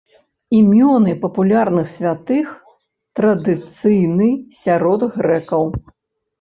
Імёны папулярных святых традыцыйны сярод грэкаў.